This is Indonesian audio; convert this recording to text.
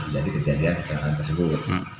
jadi kejadian kecelakaan tersebut